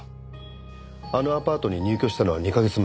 あのアパートに入居したのは２カ月前。